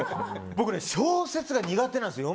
小説が苦手なんですよ。